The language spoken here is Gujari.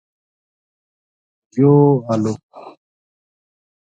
یوہ آلو